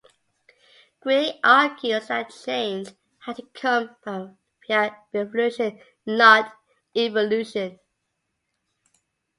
Greer argues that change had to come about via revolution, not evolution.